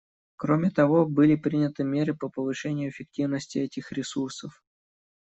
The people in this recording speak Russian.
Кроме того, были приняты меры по повышению эффективности этих ресурсов.